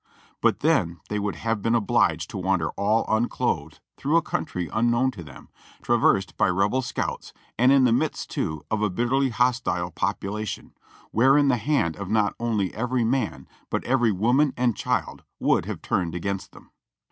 But then they would have been obHged to wander all unclothed through a country unknown to them, tra versed by Rebel scouts, and in the midst, too, of a bitterly hostile population, wherein the hand of not only every man, but every woman and child, would have turned against them.